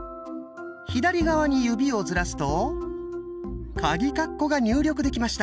左側に指をずらすとカギカッコが入力できました。